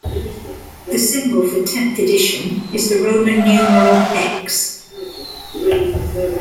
The symbol for "Tenth Edition" is the Roman numeral "X.